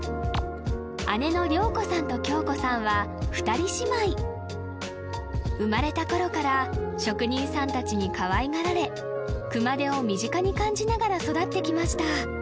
姉の良子さんと杏子さんは２人姉妹生まれた頃から職人さん達にかわいがられ熊手を身近に感じながら育ってきました